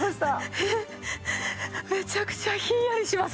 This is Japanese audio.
めちゃくちゃひんやりします。